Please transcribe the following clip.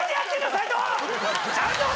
斉藤！